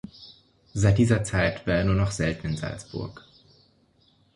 Seit dieser Zeit war er nur noch selten in Salzburg.